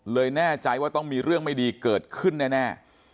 แน่ใจว่าต้องมีเรื่องไม่ดีเกิดขึ้นแน่